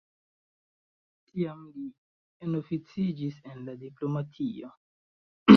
Tiam li enoficiĝis en la diplomatio.